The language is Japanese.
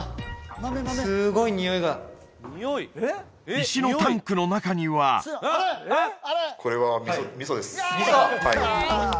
すごいにおいが石のタンクの中にはこれは味噌です味噌！